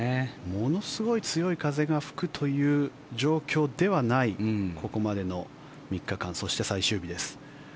ものすごい強い風が吹くという状況ではないここまでの３日間そして最終日です。